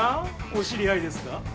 お知り合いですか？